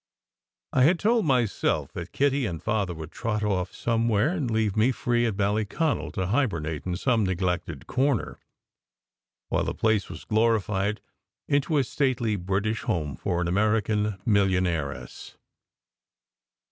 I had told myself that Kitty and Father would trot off some where and leave me free at Ballyconal to hibernate in some neglected corner, while the place was glorified into a stately British home for an American millionairess.